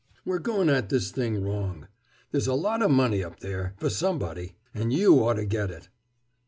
We're going at this thing wrong. There's a lot o' money up there, for somebody. And you ought to get it!"